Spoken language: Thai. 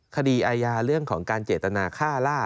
คดีอาญาเรื่องของการเจตนาฆ่าล่า